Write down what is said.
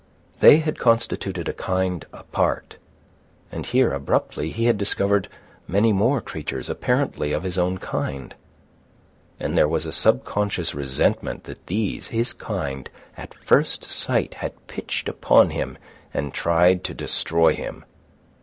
They had constituted a kind apart, and here, abruptly, he had discovered many more creatures apparently of his own kind. And there was a subconscious resentment that these, his kind, at first sight had pitched upon him and tried to destroy him.